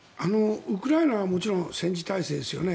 ウクライナはもちろん戦時体制ですよね。